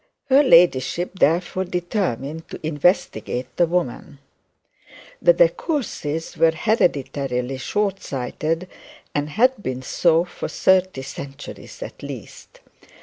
Her ladyship therefore determined to investigate the woman. The De Courcys were hereditarily short sighted, and had been so for thirty centuries at least.